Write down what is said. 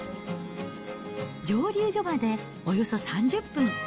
蒸留所までおよそ３０分。